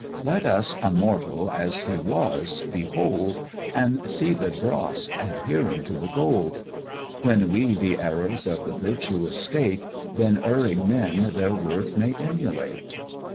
Let us a mortal as he was behold, And see the dross adhering to the gold; When we the errors of the virtuous state, Then erring men their worth may emulate.